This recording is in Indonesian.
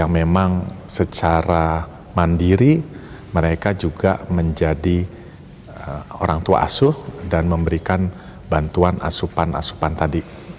memang secara mandiri mereka juga menjadi orang tua asuh dan memberikan bantuan asupan asupan tadi